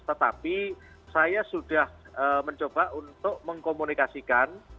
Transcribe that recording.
tetapi saya sudah mencoba untuk mengkomunikasikan